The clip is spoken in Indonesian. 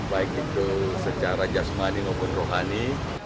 baik itu secara jasmani maupun rohani